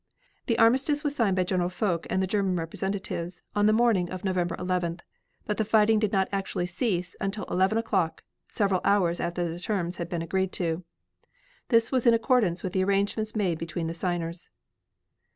The armistice was signed by General Foch and the German representatives on the morning of November 11th, but fighting did not actually cease until eleven o'clock, several hours after the terms had been agreed to. This was in accordance with arrangement made between the signers.